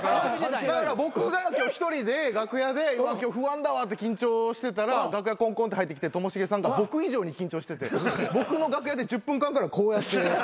だから僕が今日１人で楽屋でうわっ今日不安だわって緊張してたら楽屋コンコンって入ってきてともしげさんが僕以上に緊張してて僕の楽屋で１０分間ぐらいこうやって。